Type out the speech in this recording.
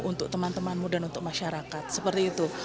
untuk teman temanmu dan untuk masyarakat seperti itu